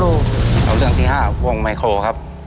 เอาเรื่องที่๕วงไมโครครับ